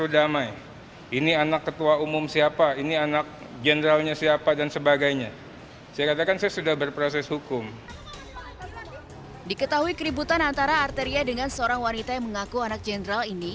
diketahui keributan antara arteria dengan seorang wanita yang mengaku anak jenderal ini